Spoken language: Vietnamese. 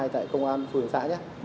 tại công an phường xã